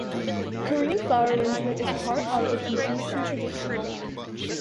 Korean flower arrangement is part of the Confucian tradition.